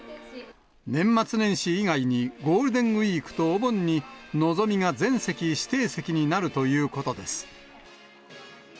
年末年始以外にゴールデンウィークとお盆にのぞみが全席指定席になるということです。